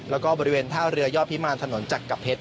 และบริเวณท่าเรือยอพิมานถนนจักรพริเทศ